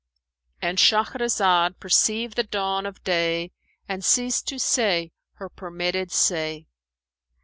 "—And Shahrazad perceived the dawn of day and ceased to say her permitted say.